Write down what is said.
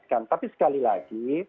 mengingatkan tapi sekali lagi